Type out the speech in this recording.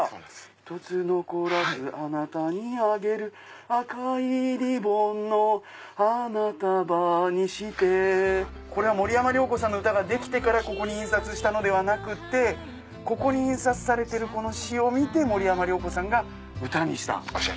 ひとつのこらずあなたにあげる赤いリボンの花束にして森山良子さんの歌ができてからここに印刷したのではなくてここに印刷されてるこの詞を見て森山良子さんが歌にした。